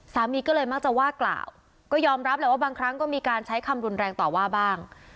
สามีก็เลยมักจะว่ากล่าวก็ยอมรับแหละว่าบางครั้งก็มีการใช้คำรุนแรงต่อว่าบ้าง